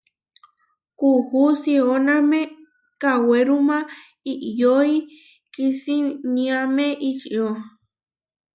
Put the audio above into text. Kuú sióname kawéruma iʼyói kisiniáme ičió.